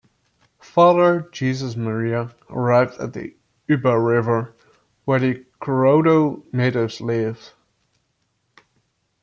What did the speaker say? Father Jesus Maria arrived at Uba River, where the Coroado natives lived.